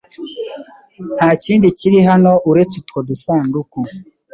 Nta kindi kiri hano uretse utwo dusanduku.